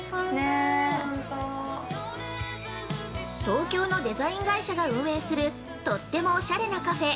東京のデザイン会社が運営するとってもオシャレなカフェ。